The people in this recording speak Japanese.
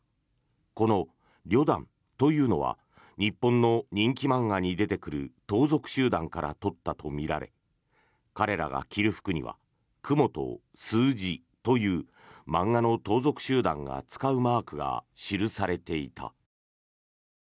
このリョダンというのは日本の人気漫画に出てくる盗賊集団から取ったとみられ彼らが着る服にはクモと数字という漫画の盗賊集団が使うマークが記されていた。